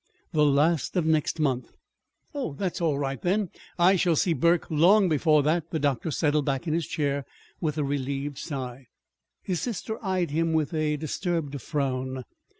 "The last of next month." "Oh, that's all right, then. I shall see Burke long before that." The doctor settled back in his chair with a relieved sigh. His sister eyed him with a disturbed frown.